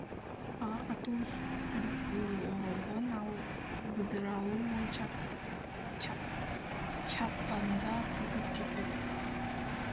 Ага катуу сүлгү оролгон, ал быдыралуу, чапканда тытып кетет.